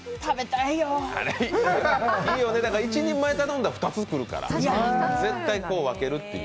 いいよね、一人前頼んだら２つ来るから絶対分けるという。